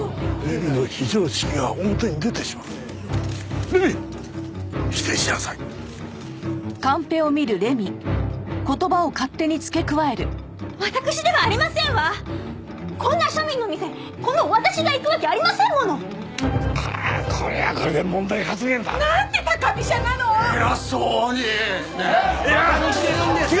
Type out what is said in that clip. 馬鹿にしてるんですか！？